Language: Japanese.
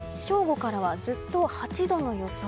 更に正午からはずっと８度の予想。